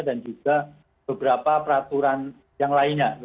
dan juga beberapa peraturan yang lainnya